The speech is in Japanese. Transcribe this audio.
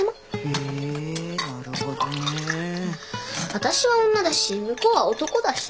私は女だし向こうは男だし。